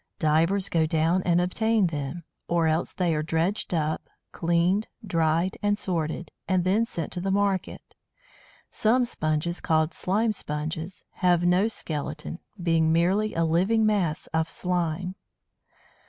Divers go down and obtain them; or else they are dredged up, cleaned, dried, and sorted, and then sent to the market. Some Sponges, called Slime Sponges, have no skeleton, being merely a living mass of slime.